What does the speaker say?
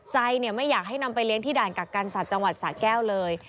ใจไม่อยากให้นำไปเลี้ยงที่ด่านกักกันสัตว์จังหวัดสะแก้วเลย